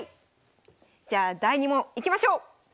じゃあ第２問いきましょう！